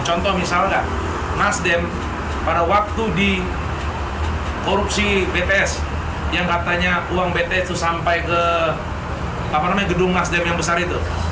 contoh misalnya nasdem pada waktu di korupsi bts yang katanya uang bts itu sampai ke gedung nasdem yang besar itu